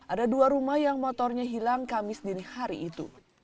ada dua rumah yang motornya hilang kamis dini hari itu